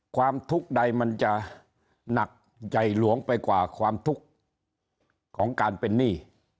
ความทุกข์ใดมันจะหนักใหญ่หลวงไปกว่าความทุกข์ของการเป็นหนี้